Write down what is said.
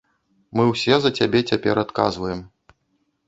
Мы ўсе за цябе цяпер адказваем.